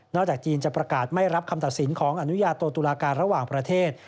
จากจีนจะประกาศไม่รับคำตัดสินของอนุญาโตตุลาการระหว่างประเทศ